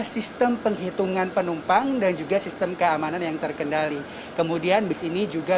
sistem penghitungan penumpang dan juga sistem keamanan yang terkendali kemudian bus ini juga